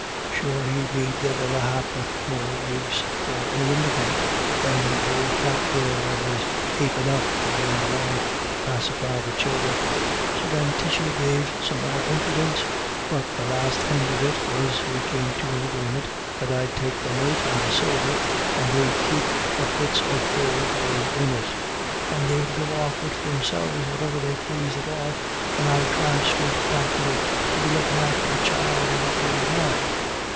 Sure he'd be divil a ha'porth more use for an imigrint than the ould cat there I was ape enough to bring along to pacify the childer.' So then Tishy gave some more impidence, but the last end of it was we come to an agreement that I'd take the note and the silver and they'd keep what bits of gould was in it, and they'd go off wid themselves wherever they plased at all, and I'd tramp straight back here to be lookin' after the child and th' ould man.